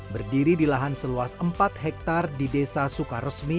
berdiri di lahan seluas empat hektare di desa sukaresmi